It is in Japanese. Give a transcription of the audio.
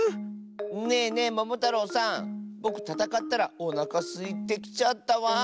ねえねえももたろうさんぼくたたかったらおなかすいてきちゃったワン。